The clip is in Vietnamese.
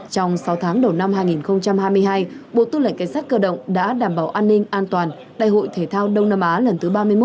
trong sáu tháng đầu năm hai nghìn hai mươi hai bộ tư lệnh cảnh sát cơ động đã đảm bảo an ninh an toàn đại hội thể thao đông nam á lần thứ ba mươi một